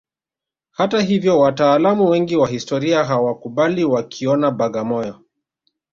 Hata hivyo wataalamu wengi wa historia hawakubali wakiiona Bagamoyo